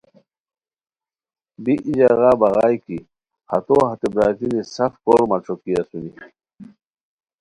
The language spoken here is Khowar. بی ای ژاغا بغائے کی ہتو ہتے برارگینی سف کورمہ ݯوکی اسونی